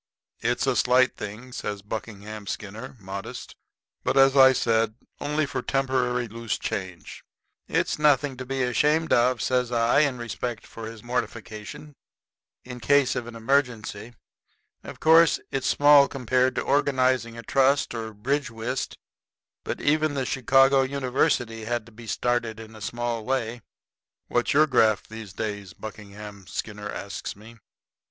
"It's a slight thing," says Buckingham Skinner, modest, "but, as I said, only for temporary loose change." "It's nothing to be ashamed of," says I, in respect for his mortification; "in case of an emergency. Of course, it's small compared to organizing a trust or bridge whist, but even the Chicago University had to be started in a small way." "What's your graft these days?" Buckingham Skinner asks me.